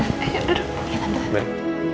duduk ya nanti